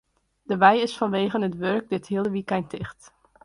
De wei is fanwegen it wurk dit hiele wykein ticht.